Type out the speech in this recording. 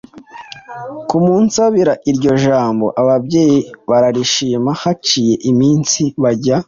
kumunsabira”. Iryo jambo ababyeyi bararishima. Haciye iminsi bajya